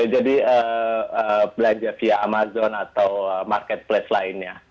belanja via amazon atau marketplace lainnya